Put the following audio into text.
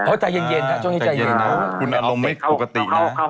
ไว้